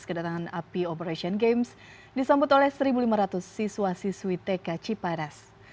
kedatangan api operation games disambut oleh satu lima ratus siswa siswi tk cipanas